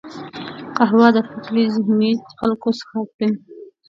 قهوه د فکري ذهیني خلکو څښاک دی